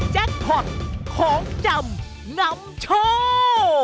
แจ็คพอตของจำนำโชว์